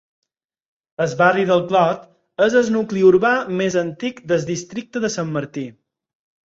El barri del Clot és el nucli urbà més antic del districte de Sant Martí.